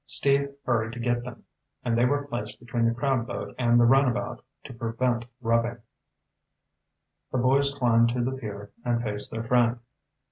Steve hurried to get them, and they were placed between the crab boat and the runabout to prevent rubbing. The boys climbed to the pier and faced their friend.